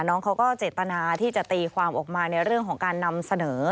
น้องเขาก็เจตนาที่จะตีความออกมาในเรื่องของการนำเสนอ